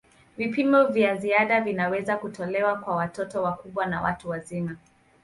Vipimo vya ziada vinaweza kutolewa kwa watoto wakubwa na watu wazima.